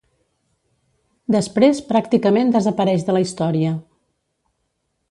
Després pràcticament desapareix de la història.